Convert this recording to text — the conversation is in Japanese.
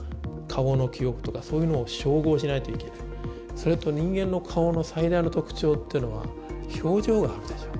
それと人間の顔の最大の特徴っていうのは表情があるでしょう。